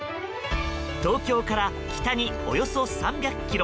東京から北におよそ３００ｋｍ。